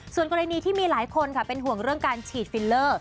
ส่วนกรณีที่มีหลายคนค่ะเป็นห่วงเรื่องการฉีดฟิลเลอร์